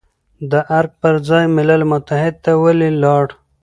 د ارګ پر ځای ملل متحد ته ولې لاړ،